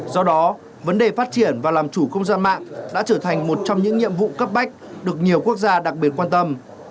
do đó vấn đề phát triển và làm chủ không gian mạng đã trở thành một trong những nhiệm vụ cấp bách được nhiều quốc gia đặc biệt quan tâm